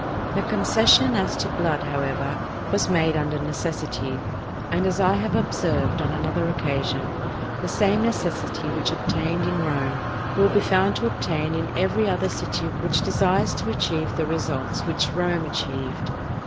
The concession as to blood, however, was made under necessity, and as I have observed on another occasion, the same necessity which obtained in Rome, will be found to obtain in every other city which desires to achieve the results which Rome achieved.